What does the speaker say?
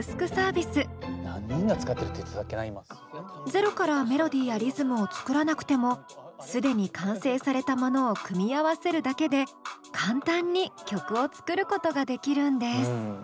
ゼロからメロディーやリズムを作らなくても既に完成されたものを組み合わせるだけで簡単に曲を作ることができるんです。